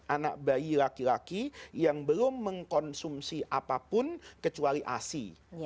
anak bayi laki laki yang belum mengkonsumsi apapun kecuali asi